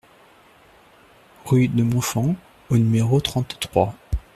Rue de Montfand au numéro trente-trois